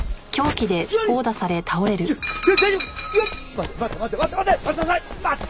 待て待て待て待て待て！